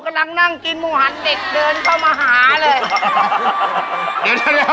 กำลังกินมุหรรณเด็กเดินเข้ามาหาเลย